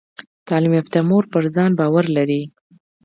تعلیم یافته مور پر ځان باور لري۔